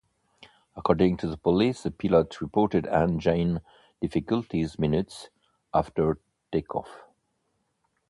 According to the police, the pilot reported engine difficulties minutes after takeoff.